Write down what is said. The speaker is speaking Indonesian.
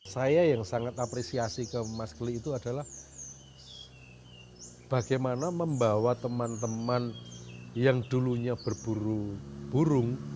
saya yang sangat apresiasi ke mas kli itu adalah bagaimana membawa teman teman yang dulunya berburu burung